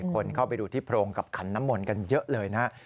คนเข้าไปดูที่โพรงกับขันน้ำมนต์กันเยอะเลยนะ